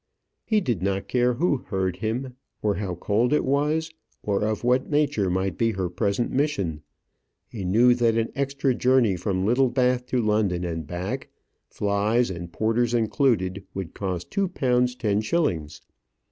He did not care who heard him, or how cold it was, or of what nature might be her present mission. He knew that an extra journey from Littlebath to London and back, flys and porters included, would cost two pounds ten shillings.